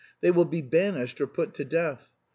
They will be banished or put to death.